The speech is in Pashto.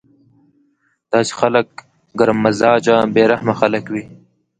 داسې خلک ګرم مزاجه بې رحمه خلک وي